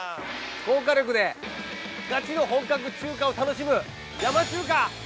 高火力でガチの本格中華を楽しむ山中華！